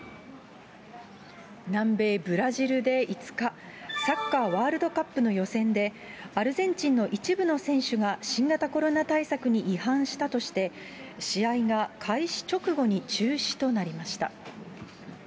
南米ブラジルで５日、サッカーワールドカップの予選で、アルゼンチンの一部の選手が新型コロナ対策に違反したとして、試合が開始直後に中止となりました。